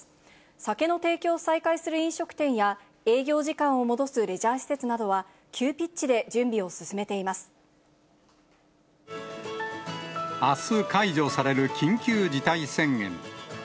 酒の提供を再開する飲食店や、営業時間を戻すレジャー施設などは、急ピッチで準備を進めていまあす解除される緊急事態宣言。